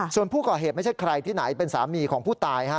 ส่วนผู้ก่อเหตุไม่ใช่ใครที่ไหนเป็นสามีของผู้ตาย